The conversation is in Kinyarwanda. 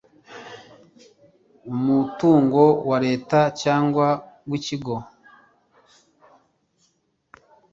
umutungo wa Leta cyangwa w ikigo